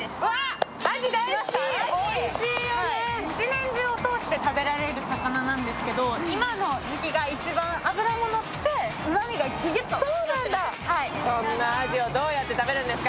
１年中を通して食べられる魚なんですけど、今の時期が一番脂ものってうまみがギュギュっと詰まってます。